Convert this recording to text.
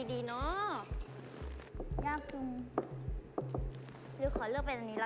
ใช่